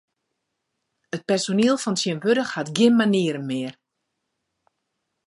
It personiel fan tsjintwurdich hat gjin manieren mear.